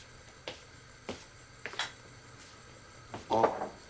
あっ。